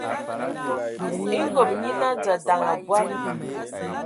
E ngob nyina dza ndaŋ abɔad.